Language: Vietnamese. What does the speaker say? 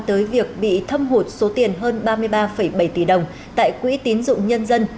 tới việc bị thâm hụt số tiền hơn ba mươi ba bảy tỷ đồng tại quỹ tín dụng nhân dân